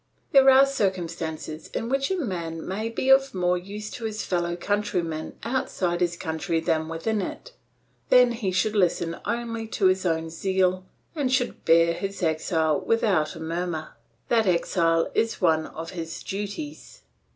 There are circumstances in which a man may be of more use to his fellow countrymen outside his country than within it. Then he should listen only to his own zeal and should bear his exile without a murmur; that exile is one of his duties.